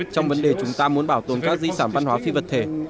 trong vấn đề chúng ta muốn bảo tồn các di sản văn hóa phi vật thể